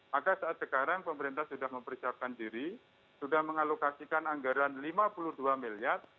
maka saat sekarang pemerintah sudah mempersiapkan diri sudah mengalokasikan anggaran lima puluh dua miliar